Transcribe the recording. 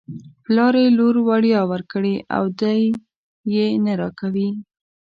پلار یې لور وړيا ورکړې او دی یې نه راکوي.